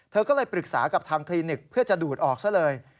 เธอก็เลยปรึกษากับทางคลินิกเพื่อจะดูดออกซะเลย